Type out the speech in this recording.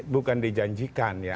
bukan dijanjikan ya